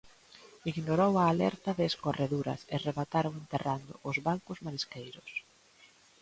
Ignorou a alerta de escorreduras, e remataron enterrando os bancos marisqueiros.